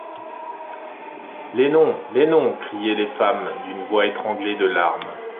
Les noms! les noms ! criaient les femmes, d’une voix étranglée de larmes.